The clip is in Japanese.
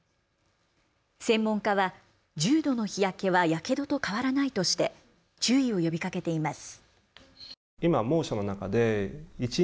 専門家は重度の日焼けはやけどと変わらないとして注意を呼びかけています。